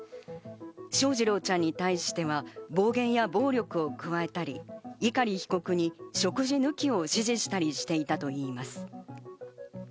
翔士郎ちゃんに対しては暴言や暴力を加えたり、碇被告に食事抜きを指示したりしていたといいます。